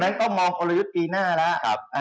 แล้วต้องมองอัลยุตปีหน้าละ